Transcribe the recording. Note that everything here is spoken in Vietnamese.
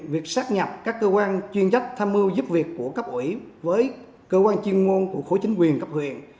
việc sáp nhập các cơ quan chuyên trách tham mưu giúp việc của cấp ủy với cơ quan chuyên ngôn của khối chính quyền cấp quyền